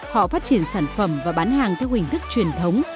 họ phát triển sản phẩm và bán hàng theo hình thức truyền thống